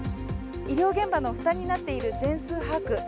医療現場の負担になっている全数把握。